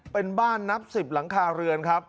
เป็นบ้านน้ับสิบหลังคาเรือน